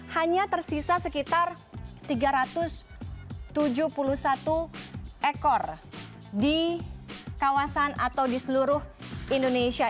hanya tersisa sekitar tiga ratus tujuh puluh satu ekor di kawasan atau di seluruh indonesia